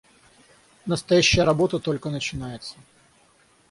Настоящая работа только начинается.